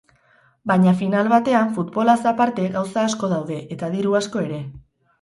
Baina final batean futbolaz aparte gauza asko daude eta diru asko ere.